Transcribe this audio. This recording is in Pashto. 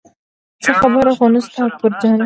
څه خبره خو نه شته اکبر جانه.